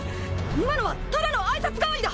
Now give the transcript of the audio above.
今のはただの挨拶代わりだ！